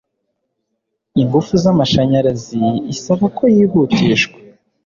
ingufu z'amashanyarazi isaba ko yihutishwa